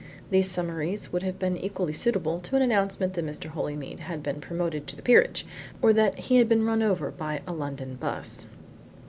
These summaries would have been equally suitable to an announcement that Mr. Holymead had been promoted to the peerage or that he had been run over by a London bus.